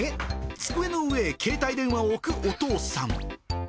机の上へ携帯を置くお父さん。